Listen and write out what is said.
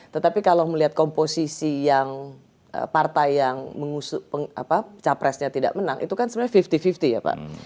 tetapi kalau melihat komposisi yang partai yang mengusut capresnya tidak menang itu kan sebenarnya lima puluh lima puluh ya pak